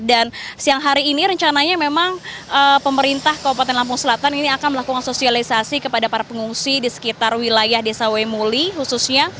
dan siang hari ini rencananya memang pemerintah kabupaten lampung selatan ini akan melakukan sosialisasi kepada para pengungsi di sekitar wilayah desa wemuli khususnya